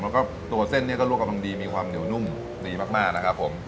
แล้วก็ตัวเส้นนี้ก็ลวกกำลังดีมีความเหนียวนุ่มดีมากนะครับผม